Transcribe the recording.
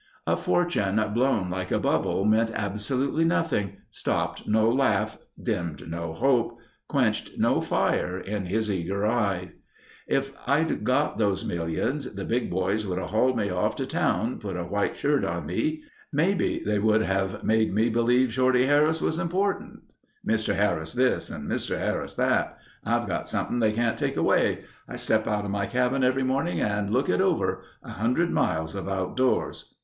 A fortune blown like a bubble meant absolutely nothing—stopped no laugh; dimmed no hope; quenched no fire in his eager eyes. "If I'd got those millions the big boys would have hauled me off to town, put a white shirt on me. Maybe they would have made me believe Shorty Harris was important. 'Mr. Harris this and Mr. Harris that.' I've got something they can't take away. I step out of my cabin every morning and look it over—100 miles of outdoors.